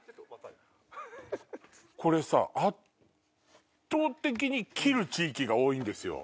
これさ圧倒的に切る地域が多いんですよ。